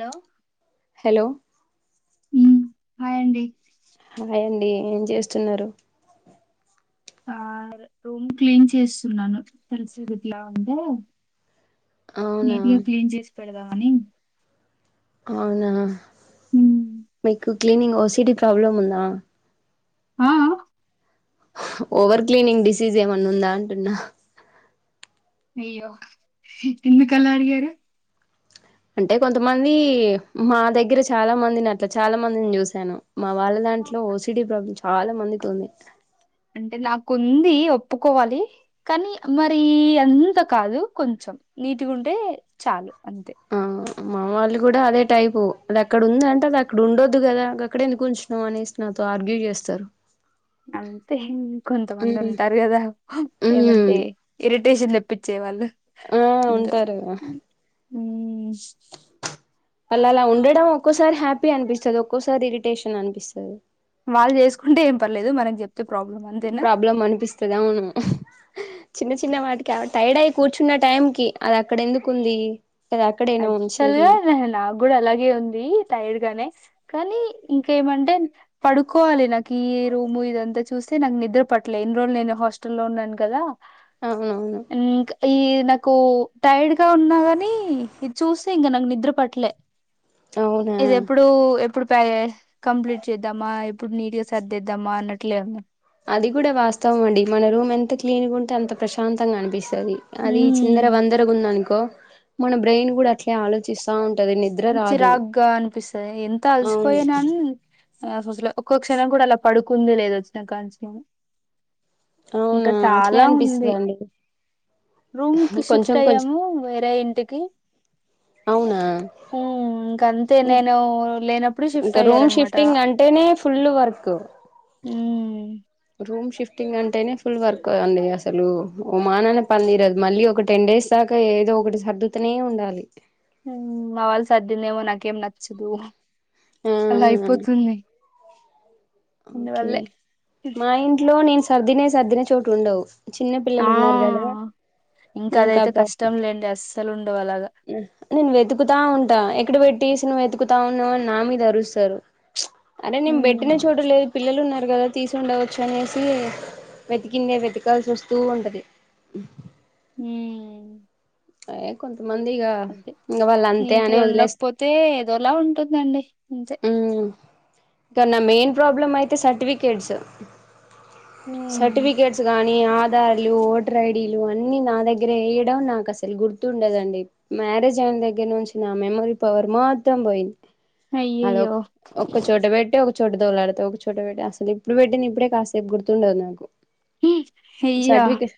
లో హలో ఉహ్ హాయ్ అండి. హాయ్ అండి ఏం జేస్తున్నారు. ఆ రూమ్ క్లీన్ చేస్తున్నాను తెల్సిదిట్లా ఉంటే అవునా నేటియో క్లీన్ జేషి పెడదావని అవునా హుహ్ మీకు క్లీనింగ్ ఓసడి ప్రాబ్లమ్ ఉందా ఆఆహ్ ఓవర్ క్లీనింగ్ డిసీజ్ ఏమన్నా ఉందా అంటున్నా. అయ్యో ఎందుకు అలా అడిగారు. అంటే కొంతమంది మా దగ్గర చాలా మందిని అట్లా చాలా మందిని చూసాను. మా వాళ్ళ దాంట్లో ఓసిడి ప్రాబ్లం చాలా మందికి ఉంది. అంటే నాకుంది ఒప్పుకోవాలి. కానీ మరి అంత కాదు కొంచెం నీటిగా ఉంటే చాలు అంతే. ఆ మా వాళ్ళు గూడా అదే టైపు అది అక్కడ ఉంద అంటే అది అక్కడ ఉండొద్దు గదా గాకాడేంద్క్ వుంచ్ నో అనేస్ నాతో ఆర్గ్యూ జేస్తరు. అంతే ఇంకొంత మంది ఉంటారు గదా ఏమంటే ఉమ్ ఇరిటేషన్ దేప్పించేవాళ్ళు ఆ అందరూ ఉంటారు ఉహ్ అలా అలా ఉండడం ఒక్కోసారి హ్యాపీ అనిపిస్తది. ఒక్కోసారి ఇరిటేషన్ అనిపిస్తది. వాళ్ళు జేసుకుంటే ఏం పర్లేదు మనకి చెప్తే ప్రాబ్లమ్ ఆన్ ప్రాబ్లం అనిపిస్తది అవును ఉహ్ చిన్న చిన్న వాటికి టైర్డ్ అయి కూర్చున్న టైం కి అద్ అక్కడ ఎందుకుంది. అది అక్కడేనా అక్చువల్ ఉంచేది గా నేహ్ నాగ్ గూ డా అలాగే ఉంది టైడ్ గానే కానీ ఇంకేమంటేన్ పడుకోవాలి నాకు ఈ రూము ఇదంతా చూసి నాకు నిద్ర పట్టలే ఎన్ని రోజులు నేను హాస్టల్లో ఉన్నాను కదా. అవునవును ఊహక్ ఈ నాకు టైర్డ్గా ఉన్నా గానీ ఇది చూసి ఇంగా నాకు నిద్ర పట్టలే అవునా ఇది ఎప్పుడు ఎప్పుడు పాయే కంప్లీట్ చేద్దామా ఎప్పుడు నీట్ గా సరదేద్దామా అన్నట్లే ఉన్నా అది గూడా వాస్తవం అండి. మన రూమ్ ఎంత క్లీన్ గా ఉంటే అంత ప్రశాంతంగా అనిపిస్తది అదిజ్ ఇందార ఉన్నా వందరగుందనుకో మన బ్రెయిన్ గూడా అట్లే ఆలో ఇసా ఉంటది నిదు ఇన్ చిరాగ్గా అనిపిస్తది ఎంత అవును అలసిపోయినన్. సాసోసాలే ఆ ఒక్కొక్క క్షణం గూడా అలా పడుకుంది లేదు వచ్చినా కానీసం. ఇంకా అవునా అట్లే చాలా ఉంది అనిపిస్తదండి రూమ్ కి షిఫ్ట్ కొంచెం కొంచెం అయ్యాము వేరే ఇంటికి అవునా ఉం ఇంక అంతే ఇంక నేను లేన ఇంకా రూమ్ షిఫ్టింగ్ అంటేనే ఫుల్ వర్క్ ఉమ్ రూమ్ షిఫ్టింగ్ అంటేనే ఫుల్ వర్క్ అండి అసలు ఓ మాననే పనిరదు మళ్ళీ ఒక టెన్ డేస్ దాక ఏదో ఒకటి సర్దుతనే ఉండాలి ఉం వాళ్ళ సర్ధిదేమో నాకేం నచ్చదు ఆ అలా అవునా అయిపోతుంది ఓకే అందువల్లే మా ఇంట్లో నేను సర్దినయి సర్దిన చోటు ఉండవు చిన్న ఆ పిల్లలు ఉన్నారు కదా నాకు ఆ రెండర్స్ అసలు ఉండవలాగా ఉం నేను వెతుకుతా ఉంటా ఎక్కడ పెట్టేసి నువ్వు వెతుకుతా ఉన్నావని నా మీద అరుస్తారు చ్ అరే నేను బేట్టిన చూడలేదు పిల్లలు ఉన్నారు కదా తీసిండవచ్చు అనేసి వెతికిందే వెతికాల్సి వస్తు ఉంటది ఉం అదే కొంతమంది ఇగ ఇంగ వాళ్ళు అంతే అనే వదిలేస్తారు తే ఏదోలా ఉంటుందండి అంతే ఇంకా నా మెయిన్ ప్రాబ్లం అయితే సర్టిఫికెట్స్ హ్మ్ సర్టిఫికెట్ గానీ ఆధార్లు ఓటర్ ఐడీలు అన్ని నా దగ్గర వేయడం నాకు అసలు గుర్తుండదండి మ్యారేజ్ అయిన దగ్గర నుంచి నా మెమరీ పవర్ మొత్తం పోయింది అద ఒ అయ్యయ్యో ఒక్క చోట పెట్టి ఒక చోట దోలాడుతా ఒక చోట పెట్టి అస ఇప్పుడు పెట్టి నే ఇప్పుడ కాసేపు గుర్తుండదు నాకు అయ్యా సర్టిఫికెట్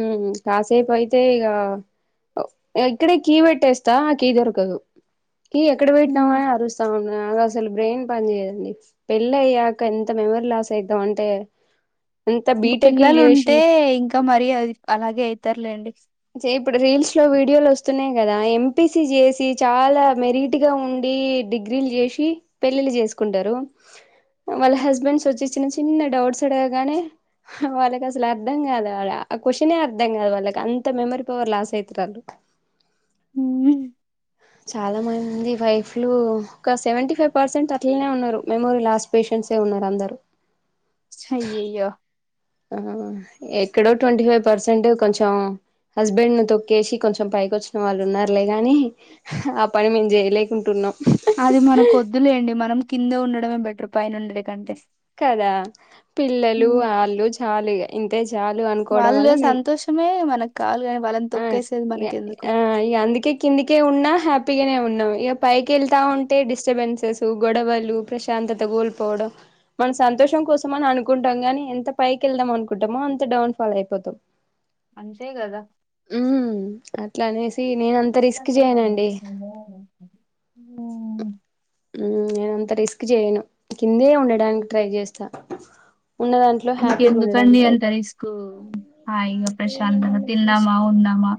ఉమ్ కాసేపూ అయితే ఇగ ఇక్కడే కీ పెట్టేస్తా కీ దొరకదు కి ఎక్కడ హ్మ్. పెట్టినామని అరుస్తా ఉ అ అసలు బ్రెయిన్ పని చెయ్యదండి పెళ్ళి అయ్యాక ఎంత మెమరీ లాస్ అయితాం అంటే ఎంత ఇంకా బీటెక్లు పిల్లలు చేసి ఉంటే ఇంకా మరి అ అలాగే అయితారులేండి చే ఇప్పుడు రీల్స్ లో వీడియోలు వస్తున్నాయి కదా ఎంపీసి చేసి చాలా మెరీట్గా ఉండి డిగ్రీలు చేసి పెళ్ళిలు చేసుకుంటారు వాళ్ళ హస్బెండ్స్ వచ్చి చిన్న చిన్న డౌట్స్ అడగాగానే వాళ్ళకి అసలు అర్థం కాదు వా ఆ క్వశ్నే అర్థం కాదు వాళ్ళకి అంత మెమరీ పవర్ లాస్ అయితరు వాల్లు హ్మ్. చాలా మంది వైఫ్లు ఒక సెవెవ్టి ఫైవ్ పర్సెంట్ అట్లనే ఉన్నారు మెమోరీలాస్ పేశెంట్స్ యే ఉన్నారు అందరు అయ్యాయో ఆహా ఎక్కడో ట్వంటీ ఫైవ్ పర్సెంట్ కొంచెం హస్బెండ్ ను తొక్కేసి కొంచెం పైకి వచ్చిన వాళ్ళు ఉన్నారులే గాని ఆ పని మేము చేయలేకుంటున్నాం అది మనకొద్దులేండి మనం కింద ఉండడమే బెటర్ పైన ఉండడు కంటే కదా పిల్లలు వాళ్ళు చాలు ఇగా ఇంతే చాలు అనుకోవడం వల్ల మేము మే మనకు కాలు కాని వాళ్ళని ఆ తొక్కేసేది ఇగ మనకి ఎందుకు ఆ ఇగ అందుకే కిందికే ఉన్నా హ్యాపీగానే ఉన్నాం ఇక పైకి వెళ్తా ఉంటే డిస్టర్బెన్సెస్ గొడవలు ప్రశాంతత కోల్పోవడం మన సంతోషం కోసం అని అనుకుంటాం గానీ ఎంత పైకి వెళ్దాం అనుకుంటామో అంత డౌన్ ఫాల్ అయిపోతాం అంతె గద ఊ చేయనండి ఊ నేను అంత రిస్క్ చేయను కిందే ఉండడానికి ట్రై చేస్తా ఉన్న దాంట్లా ఇంకెందు కండీ అంత రిస్కు హాయిగ ప్రశాంతంగా తినామ ఆవును నా మా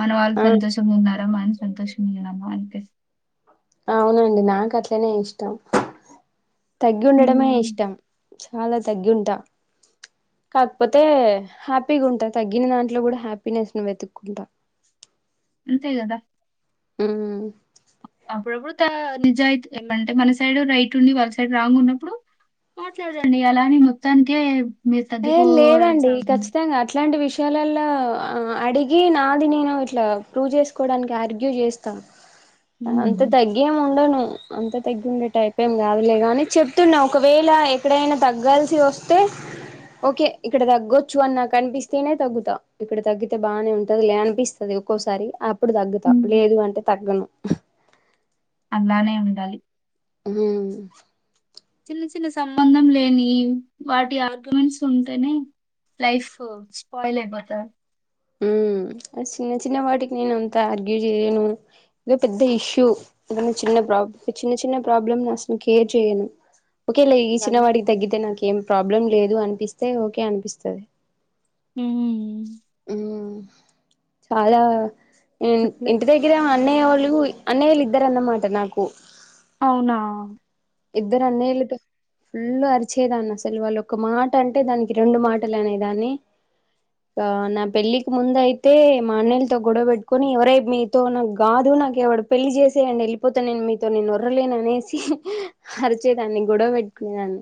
మన వాళ్ళు ఆ సంతోషంగా ఉన్నారా మం సంతోషంగా వునమా అంతే అవునండి నాకు అట్లనే ఇష్టం తగ్గి ఉండడమే హ్మ్. ఇష్టం చాలా తగ్గింటా కాకపోతే హ్యాపీగా ఉంటా తగ్గిన దాంట్లో కూడా హ్యాపీనెస్ ను వెతుక్కుంటా అంతే గాదా ఊ అప్పుడప్పుడు త నిజాయితీ అంటే మన సైడ్ రైట్ ఉండి వాళ్ళ సైడ్ రాంగ్ ఉన్నప్పుడు మాట్లాడండి అలాని మొత్తానికే మీరు ఏ తగ్గిపోవడం లేదండి సాగుతుంది. ఖచ్చితంగా అట్లాంటి విష్ షాలలో అడిగి నాది నేను ఇట్లా ప్రూవ్ చేసుకోవడానికి ఆర్గ్యూ చేస్తాను అంత ఉండదండి. తగ్గేం ఉండను అంత తగ్గిండే టైపు ఏం కాదులే గాని చెప్తున్నా ఒకవేళ ఎక్కడైనా తగ్గాల్సి వస్తే ఓకే ఇక్కడ తగ్గొచ్చు అని నాకు అనిపిస్తేనే తగ్గుతా ఇక్కడ తగ్గితే బాగానే ఉంటది లే అనిపిస్త అది ఒక్కోసారి అప్పుడు తగ్గుతా హ్మ్. లేదు అంటే తగ్గను అలానే ఉండాలి ఊ చిన్న చిన్న సంబంధం లేని వాటి ఆర్గ్యుమెంట్స్ ఉంటేనే లైఫ్ స్పయిల్ అయిపోత హ చిన్న చిన్న వాటికి నేను అంత ఆర్గ్యూ చేయను ఏదో పెద్ద ఇష్యూ ఏదన్న చిన్న ప్రాబ్ చిన్న చిన్న ప్రాబ్లమ్ అసను కేర్ చేయను ఓకేలే ఈ చిన్న అది. వాటికి తగ్గితే నాకు ఏం ప్రాబ్లం లేదు అనిపిస్తే ఓకే అనిపిస్తుంది ఊ ఊ చాలా ఇం అట్లే. ఇంటి దగ్గర గ్గర అన్నయ వొళ్ళు అన్నయలు ఇద్దరన్నమాట నాకు అవునా ఇద్దరు అన్నయలు అట ఫుల్ అరిచేదాన్ని అసలు వాళ్ళు ఒక మాట అంటే దానికి రెండు మాటలు అనేదాన్ని గా నా పెళ్లికి ముందయితే మా అన్నయలతోని గొడవ పెట్టుకుని ఎవరై మీతో నాకు కాదు నాకు ఎవడు పెళ్లి చేసేయండి వెళ్ళిపోతా నేను మీతో నేను ఒర్రలేననేసి అరిచేదాన్ని గొడవ పెట్టుకునే దాన్ని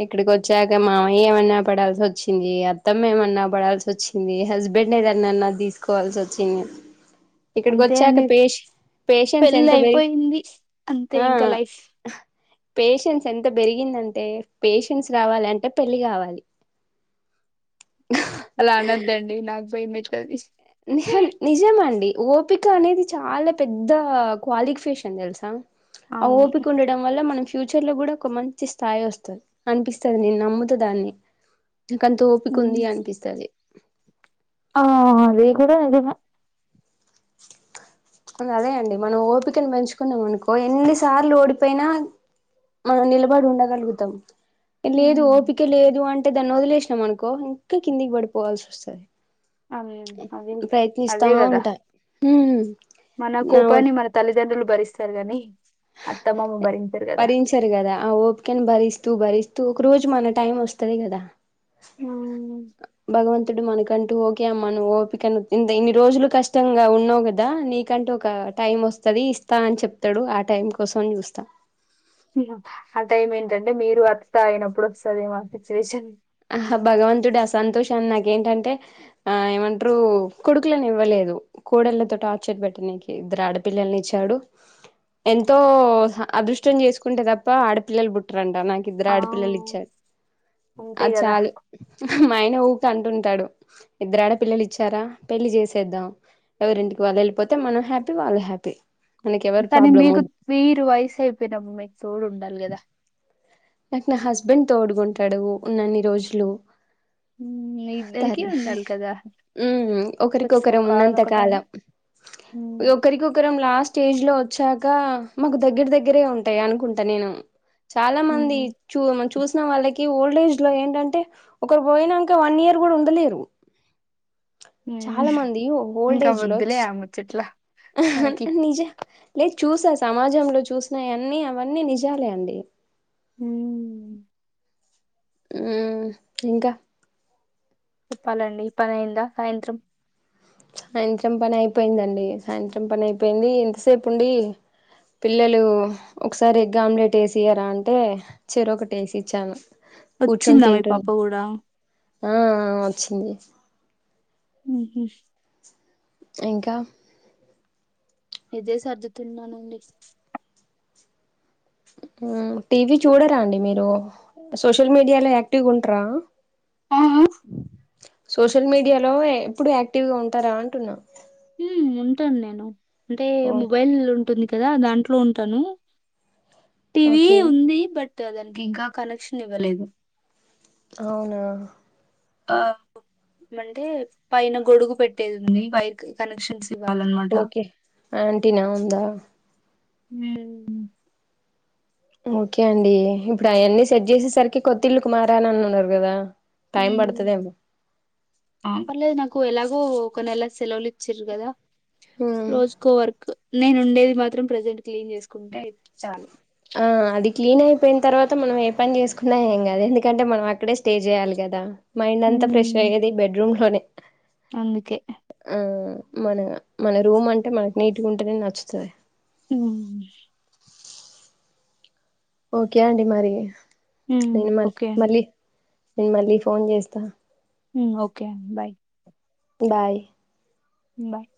ఇక్కడికి వచ్చాక మామయ్య ఏమన్నా పడాల్సి వచ్చింది అత్తమ మేమ న్నా పడాల్సి వచ్చింది హస్బెండ్ ఏదనన్నా అది తీసుకోవాల్సి వచ్చింది ఇక్కడికి అంతే వచ్చాక అండి. పెష్ పేషన్స్ ఎంత పెరి పెళ్లయిపోయింది. అంతే ఆ ఇంక లైఫ్. పేషెన్స్ ఎంత పెరిగిందంటే పేషెన్స్ రావాలి అంటే పెళ్లి కావాలి అలా అన్నద్దండి నకు భైమితది నిజమ అండి ఓపిక అనేది చాలా పెద్ద క్వాలిఫికేషన్ తెలుసా అ అవును. ఓపిక ఉండడం డం వల్ల మనం ఫ్యూచర్ లో కూడా ఒక మంచి స్థాయి వస్తుంది అనిపిస్తది నేను నమ్ముతా దాన్ని ఇకంత ఓపిక హ్మ్. ఉంది అనిపిస్తుంది ఆ అదే కూడా నిజమే అదే అండి మనం ఓపికను పెంచుకున్నాం అనుకో ఎన్నిసార్లు ఓడిపోయినా మనం నిలబడి ఉండగలుగుతాం లేదు ఓపిక లేదు అంటే అంటే దాన్ని వదిలేసినాం అనుకో ఇంకా కిందికి పడిపోవాల్సి వస్తుంది అ అదే అదే కదా ఉంటా హ్మ్ మన అవును కోపాన్నీ మనం తల్లిదండ్రులు భరిస్తారు కానీ అత్త మామ భరించరు కదా సర కదా ఆ ఓపికను భరిస్తూ భరిస్తూ ఒక రోజు మన టైం వస్తుంది కదా హ్మ్ భగవంతుడు మనకంటూ ఓకే అమ్మను ఓపికను ఇన్ని రోజులు కష్టంగా ఉన్నావు కదా నీ నీకంటూ ఒక టైం వస్తుంది ఇస్తా అని చెప్తాడు ఆ టైం కోసం చూస్తా హా ఆ టైమ్ ఏంటంటే మీరు అత్త అయినప్పుడు వస్తుంది ఏమో ఆ సిచ్యువేషన్ ఆహా భగవంతుడి ఆ సంతోషాన్ని నాకేంటంటే ఆ ఏమంటారు కొడుకులను ఇవ్వలేదు కోడళ్ళతో టార్చర్ పెట్టనీకి ఇద్దరు ఆడపిల్లల్ని ఇచ్చాడు ఎంతో అదృష్టం చేసుకుంటే తప్ప ఆడపిల్లలు పుట్టరంట నాకు ఇద్దరు ఆ ఆడపిల్లలు ఇచ్చారు అంతే అది కదా చాలు మా ఆయన ఊరికనే అంటుంటాడు ఇద్దరు ఆడ పిల్లలు ఇచ్చారా పెళ్లి చేసేద్దాం ఎవరింటికి వాళ్లు వెళ్ళిపోతే మనం హ్యాపీ వాళ్లు హ్యాపీ మనకి ఎవరి కానీ ప్రాబ్లం మీకు వద్దు మీరు వయసు అయిపోయిన అమ్మాయి కి తోడు ఉండాలి గదా నాకు నా హస్బెండ్ తోడుగుంటాడు ఉన్నన్ని రోజులు ఉమ్, మీ ఇద్దరికి తరువాత హా ఉండాలి కదా హ్మ్ ఒకరికొకరు ఒకానొక టైం ఉన్నంతకాలం ఉమ్, ఒకరికొకరం లాస్ట్ స్టేజ్ లో వచ్చాక మాకు దగ్గర దగ్గరే ఉంటాయి అనుకుంటా నేను చాలా మంది హ్మ్ చూ మనం చూసిన వాళ్ళకి ఓల్డ్ ఏజ్ లో ఏంటంటే ఒకరు పోయినాంకా వన్ ఇయర్ కూడా ఉండలేరు ఉమ్. చాలా మంది ఓల్డ్ ఏజ్ లో చిట్లా హా నిజం లేదు చూసా సమాజంలో చూసినవన్నీ అవన్నీ నిజాలే అండి హ్మ్ హ్మ్ ఇంకా చెప్పాలండి పని అయిందా సాయంత్రం సాయంత్రం పని అయిపోయిందండి సాయంత్రం పని అయిపోయింది ఇంతసేపు ఉండి పిల్లలు ఒకసారి ఎగ్ ఆమ్లెట్ వేసీయారా అంటే చెరొకటి వేసి ఇచ్చాను కూర్చొని వచ్చిందా మీ తింటు పాప కూడా ఆ ఆ వచ్చింది హుం హు ఇంకా ఇదే సర్దుతున్నానండి హ్మ్ టీవీ చూడరా అండి మీరు సోషల్ మీడియాలో యాక్టీవ్గా ఉంటారా ఆ ఆ సోషల్ మీడియాలో ఎప్పుడు యాక్టివ్ గా ఉంటారా అంటున్నా హ్మ్ ఉంటాను నేను అంటే ఓ మొబైల్ ఉంటుంది కదా దాంట్లో ఉంటాను టీవీ ఓకే ఉంది బట్ దానికి ఇంకా కనెక్షన్ ఇవ్వలేదు అవునా ఆ ఏమంటే పైన గొడుగు పెట్టేది ఉంది వైర్ కనెక్షన్స్ ఇవ్వాలనమాట ఓకే ఆంటీనా ఉందా హ్మ్ ఓకే అండి ఇప్పుడు అయన్నీ సెట్ చేసేసరికి కొత్తి ఇల్లుకు మారా అన్నారు కదా తామే ఉమ్. పడతది ఏమో ఆ పర్లేదు నాకు ఎలాగో ఒక నెల సెలవులు ఇచ్చిర్రు కదా హ్మ్. రోజుకో వర్క్ నేను ఉండేది మాత్రం ప్రజెంట్ క్లీన్ చేసుకుంటే చాలు ఆ అది క్లీన్ అయిపోయిన తర్వాత మనం ఏ పని చేసుకున్నా ఏం గాదు ఎందుకంటే మనం అక్కడే స్టే చేయాలి గదా మైండ్ అంత ఫ్రెష్ ఉమ్, అయ్యేది బెడ్రూమ్ లోనే అందుకే ఆ మన మన రూమ్ అంటే మనకి నీటిగుంటేనే నచ్చుతది హ్మ్ ఓకే అండి మరి హ్మ్. నేను మళ్ ఓకే అండి. మళ్ళీ నేను మళ్ళీ ఫోన్ చేస్తా హ్మ్ ఓకే అండి బాయ్ బాయ్ హ్మ్ బాయ్